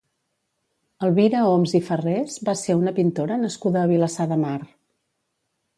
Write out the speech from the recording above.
Elvira Homs i Ferrés va ser una pintora nascuda a Vilassar de Mar.